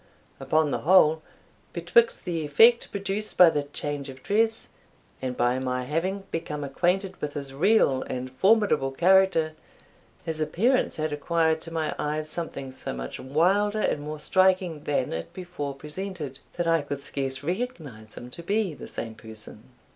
Upon the whole, betwixt the effect produced by the change of dress, and by my having become acquainted with his real and formidable character, his appearance had acquired to my eyes something so much wilder and more striking than it before presented, that I could scarce recognise him to be the same person.